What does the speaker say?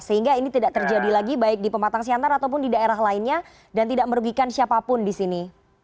sehingga ini tidak terjadi lagi baik di pematang siantar ataupun di daerah lainnya dan tidak merugikan siapapun di sini